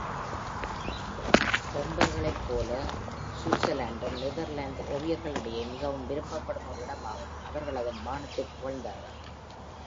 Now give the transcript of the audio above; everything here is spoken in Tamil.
டொம்பர்கைப்போல, Zoutelandeம் நெதர்லாந்து ஓவியர்களிடையே மிகவும் விரும்பப்படும் ஓர் இடமாகும், அவர்கள் அதன் வானத்தைப் புகழ்ந்தார்கள்.